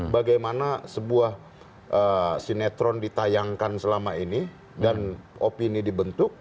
bagaimana sebuah sinetron ditayangkan selama ini dan opini dibentuk